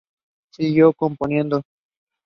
He popularized natural history study in schools.